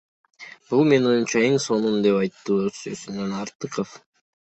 Бул менин оюмча эн сонун, — деп айтты оз созундо Артыков.